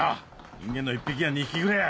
人間の１匹や２匹ぐれぇ。